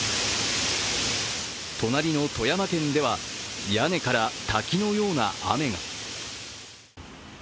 隣の富山県では屋根から滝のような雨が。